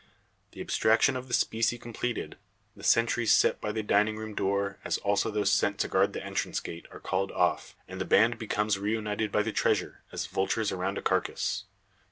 The abstraction of the specie completed, the sentries set by the dining room door, as also those sent to guard the entrance gate, are called off; and the band becomes reunited by the treasure, as vultures around a carcass.